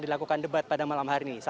dilakukan debat pada malam hari ini